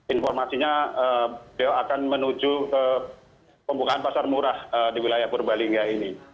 informasinya beliau akan menuju ke pembukaan pasar murah di wilayah purbalingga ini